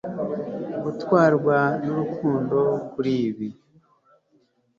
Gutwarwa nurukundo kuri ibi